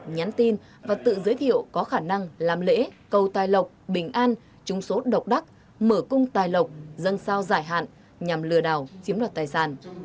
nhắn tin và tự giới thiệu có khả năng làm lễ cầu tài lộc bình an trung số độc đắc mở cung tài lộc dân sao giải hạn nhằm lừa đảo chiếm đoạt tài sản